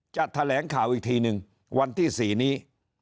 แถลงข่าวอีกทีนึงวันที่๔นี้